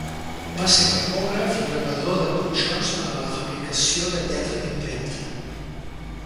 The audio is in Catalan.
Va ser tipògraf i gravador de punxons per a la fabricació de lletra d'impremta.